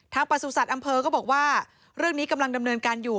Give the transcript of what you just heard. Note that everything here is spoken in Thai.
ประสุทธิ์อำเภอก็บอกว่าเรื่องนี้กำลังดำเนินการอยู่